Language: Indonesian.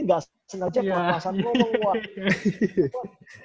nggak sengaja kelepasan ngomong